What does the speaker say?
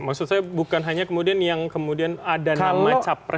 maksud saya bukan hanya kemudian yang kemudian ada nama capres